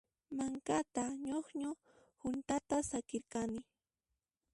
Manka ñuqñu hunt'ata saqirqani.